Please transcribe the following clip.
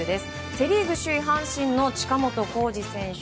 セ・リーグ首位阪神の近本光司選手